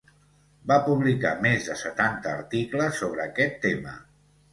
Va publicar més de setanta articles sobre aquest tema.